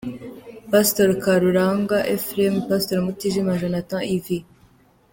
Pastor Karuranga Ephrem, Pastor Mutijima Jonathan ,Ev.